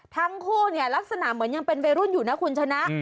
ทั้งคู่เนี่ยลักษณะเหมือนยังเป็นวัยรุ่นอยู่นะคุณชนะ